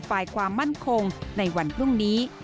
ฝ่ายความมั่นคงในวันพรุ่งนี้